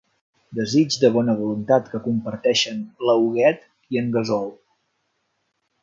Desig de bona voluntat que comparteixen la Huguet i en Gasol.